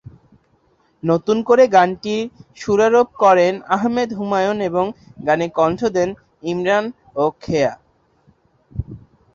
নতুন করে গানটির সুরারোপ করেন আহমেদ হুমায়ুন এবং গানে কণ্ঠ দেন ইমরান ও খেয়া।